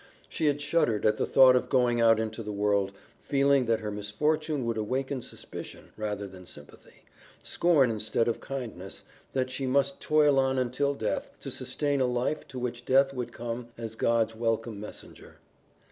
She had shuddered at the thought of going out into the world, feeling that her misfortune would awaken suspicion rather than sympathy, scorn instead of kindness; that she must toil on until death, to sustain a life to which death would come as God's welcome messenger.